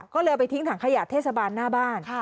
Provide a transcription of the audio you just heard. ก็เลยเอาไปทิ้งถังขยะเทศบาลหน้าบ้าน